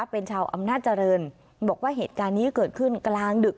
เป็นชาวอำนาจเจริญบอกว่าเหตุการณ์นี้เกิดขึ้นกลางดึก